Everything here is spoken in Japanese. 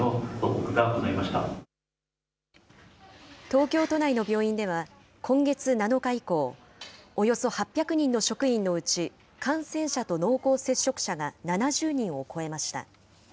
東京都内の病院では、今月７日以降、およそ８００人の職員のうち感染者と濃厚接触者が７０人を超えました。